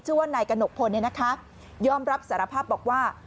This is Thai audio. ชื่อว่านายกนกพลเนี่ยนะคะย่อมรับสารภาพบอกว่า